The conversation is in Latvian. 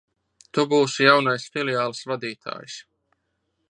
Tu būsi jaunais filiāles vadītājs.